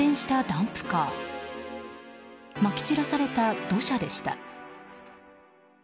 ダンプカーまき散らされた土砂でした。